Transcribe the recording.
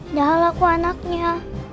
udah hal aku anaknya